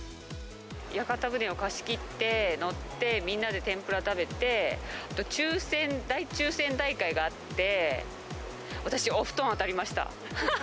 屋形船を貸し切って乗って、みんなで天ぷら食べて、抽せん、大抽せん大会があって、私、お布団当たりました。